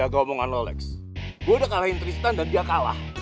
gue udah kalahin tristan dan dia kalah